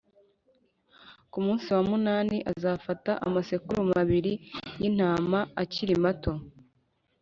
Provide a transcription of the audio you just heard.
Ku munsi wa munani azafate amasekurume abiri y intama akiri mato